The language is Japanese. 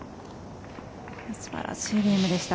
素晴らしいゲームでした。